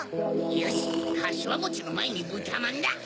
よしかしわもちのまえにぶたまんだ！